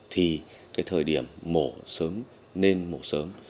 thì cái thời điểm mổ sớm nên mổ sớm